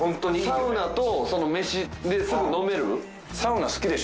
サウナと飯ですぐ飲める。